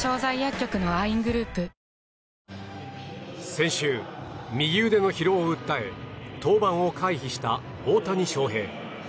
先週、右腕の疲労を訴え登板を回避した大谷翔平。